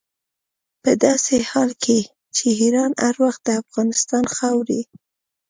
په داسې حال کې چې ایران هر وخت د افغانستان خاورې.